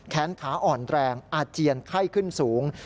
แขนขาอ่อนแรงอาเจียนไข้ขึ้นสูง